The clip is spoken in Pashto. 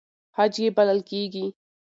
خج یې بلل کېږي.